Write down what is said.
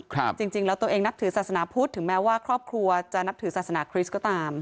จริงจริงแล้วตัวเองนับถือศาสนาพุทธถึงแม้ว่าครอบครัวจะนับถือศาสนาคริสต์ก็ตาม